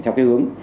theo cái hướng